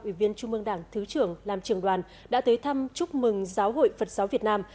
ủy viên trung mương đảng thứ trưởng làm trường đoàn đã tới thăm chúc mừng giáo hội phật giáo việt nam